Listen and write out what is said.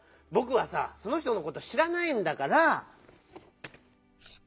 ぼくはさその人のことしらないんだから。